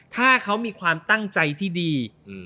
ถ้าเขามีความตั้งใจที่ดี